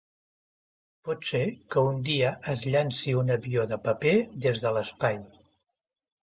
Pot ser que un dia es llanci un avió de paper des de l'espai.